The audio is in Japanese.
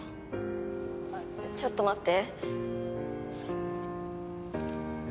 あちょっと待って。